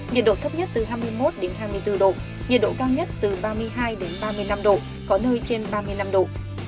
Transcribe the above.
nhiệt độ thấp nhất từ hai mươi một hai mươi bốn độ nhiệt độ cao nhất từ ba mươi hai ba mươi năm độ có nơi trên ba mươi năm độ